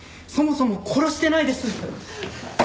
そもそも殺してないです。